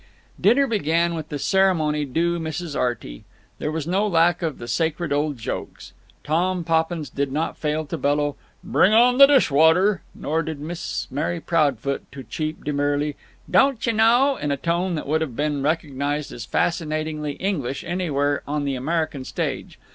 Dinner began with the ceremony due Mrs. Arty. There was no lack of the sacred old jokes. Tom Poppins did not fail to bellow "Bring on the dish water," nor Miss Mary Proudfoot to cheep demurely "Don't y' knaow" in a tone which would have been recognized as fascinatingly English anywhere on the American stage.